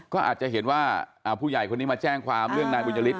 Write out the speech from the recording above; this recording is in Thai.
ก็อาจจะเห็นว่าผู้ใหญ่คนนี้มาแจ้งความเรื่องนายบุญยฤทธ